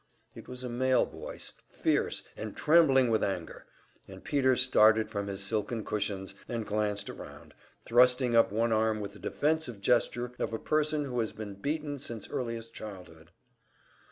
It was a male voice, fierce and trembling with anger; and Peter started from his silken cushions, and glanced around, thrusting up one arm with the defensive gesture of a person who has been beaten since earliest childhood.